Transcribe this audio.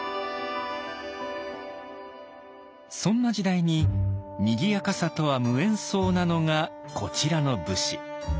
そんな時代ににぎやかさとは無縁そうなのがこちらの武士。